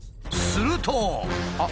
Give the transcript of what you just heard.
すると。